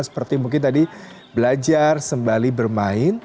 seperti mungkin tadi belajar sembali bermain